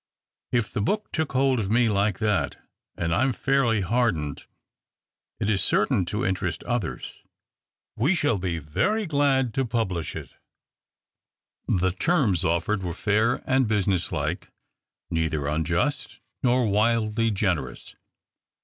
If the book took hold of me like that — and I am fairly hardened — it is certain to interest others. AYe shall be very glad to publish it." THE OCTAVE OF CLAUDIUS. 239 The terms offered were fair and business like — neither unjust nor wildly generous.